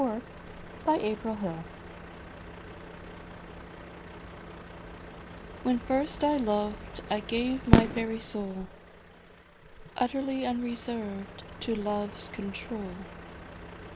M7 Verse by Taj Mahomed When first I loved, I gave my very soul Utterly unreserved to Love's control.